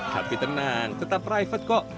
tapi tenang tetap private kok